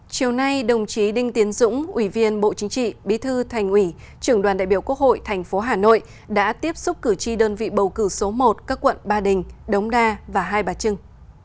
chiều nay đồng chí đinh tiến dũng ủy viên bộ chính trị bí thư thành ủy trưởng đoàn đại biểu quốc hội tp hà nội đã tiếp xúc cử tri đơn vị bầu cử số một các quận ba đình đống đa và hai bà trưng